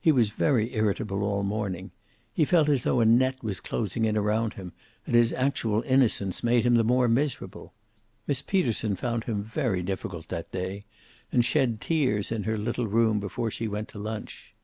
He was very irritable all morning. He felt as though a net was closing in around him, and his actual innocence made him the more miserable. Miss Peterson found him very difficult that day, and shed tears in her little room before she went to lunch.